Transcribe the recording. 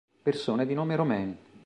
Persone di nome Romain